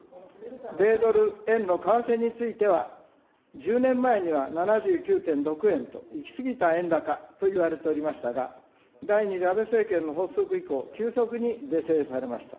米ドル円の為替については、１０年前には７９．６円と、行き過ぎた円高といわれておりましたが、第２次安倍政権の発足以降、急速に是正されました。